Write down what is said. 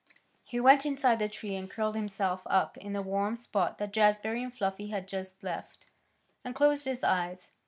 He went inside the tree and curled himself up in the warm spot that Jazbury and Fluffy had just left, and closed his eyes.